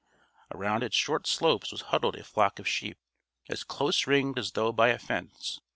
Around its short slopes was huddled a flock of sheep, as close ringed as though by a fence.